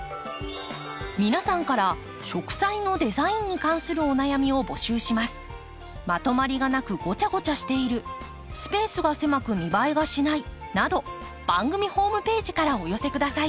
皆さんから植栽のデザインに関するお悩みを募集します。など番組ホームページからお寄せください。